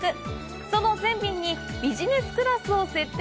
その全便に、ビジネスクラスを設定。